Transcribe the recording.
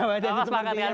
bapak sepakat kan